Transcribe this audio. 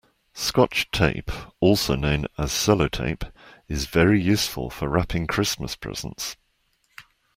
Scotch tape, also known as Sellotape, is very useful for wrapping Christmas presents